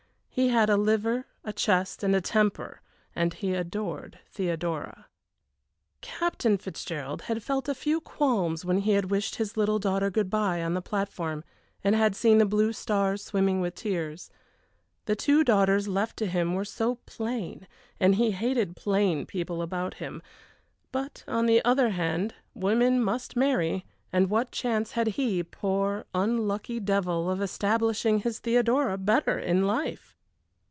He had a liver, a chest, and a temper, and he adored Theodora. Captain Fitzgerald had felt a few qualms when he had wished his little daughter good bye on the platform and had seen the blue stars swimming with tears. The two daughters left to him were so plain, and he hated plain people about him; but, on the other hand, women must marry, and what chance had he, poor, unlucky devil, of establishing his Theodora better in life?